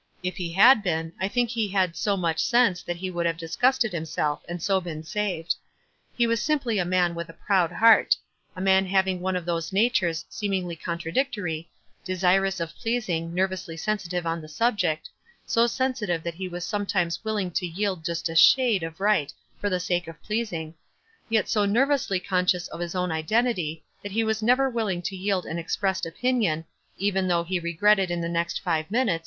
If he had been, I think he had so much sense that he would have dis gusted himself, and so been saved. He was simply a man with a proud heart — a man hav ing one of those natures seemingly contradic tory, desirous of pleasing, nervously sensitive on the subject — so sensitive that he w T as some times willing to yield just a shade of right for the sake of pleasing — yet so nervously con scious of his own identity that he was never willing to yield an expressed opinion, even though he regretted in the next five minutes 22 WISE AND OTHERWISE.